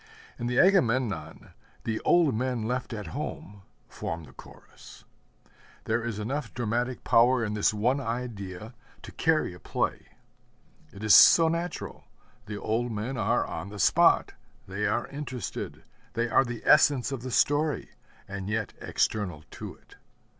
In the Agamemnon 'the old men left at home' form the Chorus. There is enough dramatic power in this one idea to carry a play. It is so natural: the old men are on the spot; they are interested; they are the essence of the story, and yet external to it.